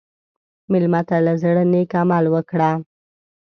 مېلمه ته له زړه نیک عمل وکړه.